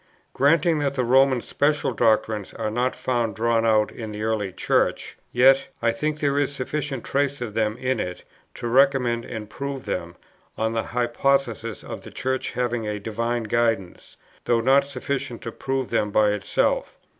Granting that the Roman (special) doctrines are not found drawn out in the early Church, yet I think there is sufficient trace of them in it, to recommend and prove them, on the hypothesis of the Church having a divine guidance, though not sufficient to prove them by itself.